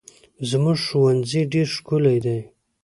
زموږ ښوونځی ډېر ښکلی دی.